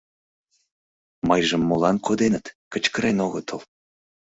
Мыйжым молан коденыт, кычкырен огытыл?..